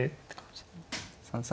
３三